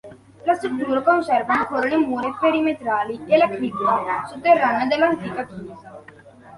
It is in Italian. La struttura conserva ancora le mura perimetrali e la cripta sotterranea dell'antica chiesa.